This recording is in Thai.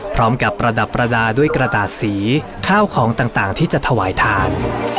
พร้อมกับประดับประดาษด้วยกระดาษสีข้าวของต่างต่างที่จะถวายทาน